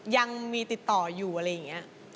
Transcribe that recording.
ยังมีติดต่ออยู่อะไรอย่างนี้